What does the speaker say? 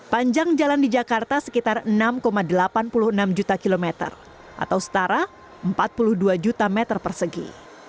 panjang jalan di jakarta sekitar enam delapan puluh enam juta kilometer atau setara empat puluh dua juta meter persegi